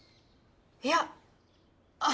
いやあっ